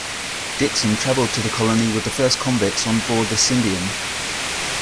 Dixon traveled to the colony with the first convicts on board the "Scindian".